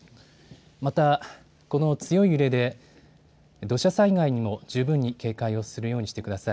また、この強い揺れで土砂災害にも十分に警戒をするようにしてください。